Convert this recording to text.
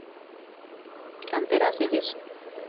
Canteras de yeso.